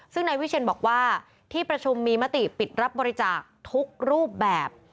ซึ่งนายวิเชียนบอกว่าที่ประชุมมีมติปิดรับบริจาคทุกรูปแบบ